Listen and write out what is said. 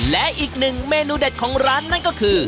และอีกหนึ่งเมนูเด็ดของร้านนั่นก็คือ